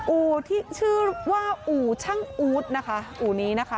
อู่ที่ชื่อว่าอู่ช่างอุ๊ดนะคะ